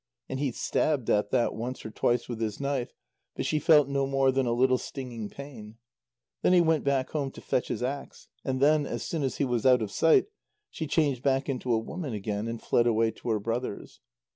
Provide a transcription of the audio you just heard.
And he stabbed at that once or twice with his knife, but she felt no more than a little stinging pain. Then he went back home to fetch his axe, and then, as soon as he was out of sight, she changed back into a woman again and fled away to her brothers.